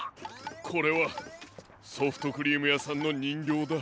これはソフトクリームやさんのにんぎょうだ。